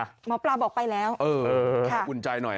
หมอปลาบอกไปแล้วเอออุ่นใจหน่อย